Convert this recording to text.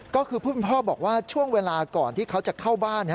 ก็คือผู้เป็นพ่อบอกว่าช่วงเวลาก่อนที่เขาจะเข้าบ้าน